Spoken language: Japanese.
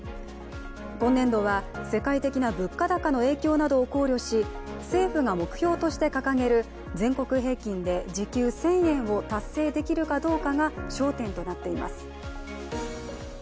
今年度は、世界的な物価高の影響などを考慮し政府が目標として掲げる全国平均で時給１０００円を達成できるかどうかが焦点となっています。